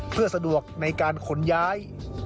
เพื่อสะดวกในการขนย้าย